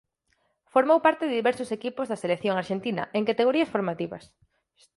Formou parte de diversos equipos da selección arxentina en categorías formativas.